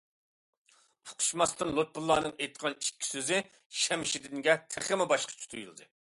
ئۇقۇشماستىن لۇتپۇللانىڭ ئېيتقان ئىككى سۆزى شەمشىدىنگە تېخىمۇ باشقىچە تۇيۇلدى.